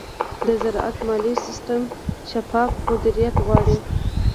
د زراعت مالي سیستم شفاف مدیریت غواړي.